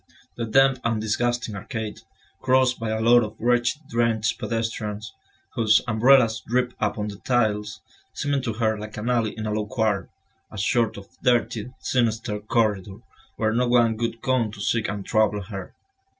The damp and disgusting arcade, crossed by a lot of wretched drenched pedestrians, whose umbrellas dripped upon the tiles, seemed to her like an alley in a low quarter, a sort of dirty, sinister corridor, where no one would come to seek and trouble her.